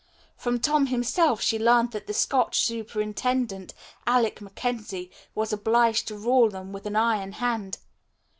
From Tom himself she had learned that the Scotch superintendent, Alec Mackenzie, was obliged to rule them with an iron hand.